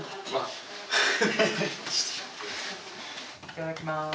いただきます。